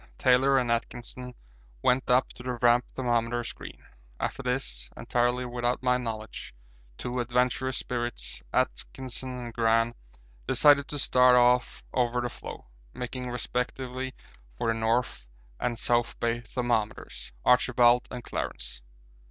Taylor and Atkinson went up to the Ramp thermometer screen. After this, entirely without my knowledge, two adventurous spirits, Atkinson and Gran, decided to start off over the floe, making respectively for the north and south Bay thermometers, 'Archibald' and 'Clarence.'